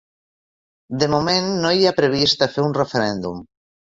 De moment no hi ha previst de fer un referèndum